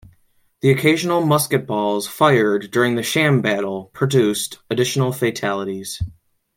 The occasional musket balls fired during the sham battle produced additional fatalities.